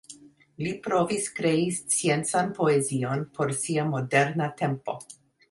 Li provis krei sciencan poezion por sia moderna tempo.